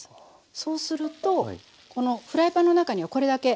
そうするとこのフライパンの中にはこれだけ汁が残ってますので。